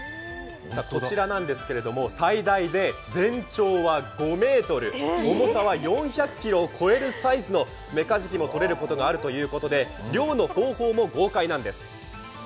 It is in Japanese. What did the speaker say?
こちら、最大で全長は５ｍ、重さは４００ｋｇを超えるサイズのメカジキもとれることがあるということで漁の方法も豪快なんです。